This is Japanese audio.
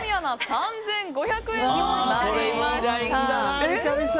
３５００円になりました。